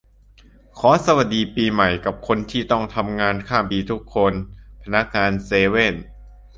ขอสวัสดีปีใหม่กับคนที่ต้องทำงานข้ามปีทุกคน พนักงานเซเว่น